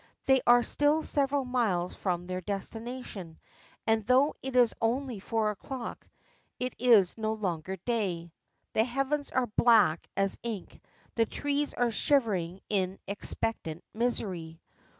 They are still several miles from their destination, and, though it is only four o'clock, it is no longer day. The heavens are black as ink, the trees are shivering in expectant misery.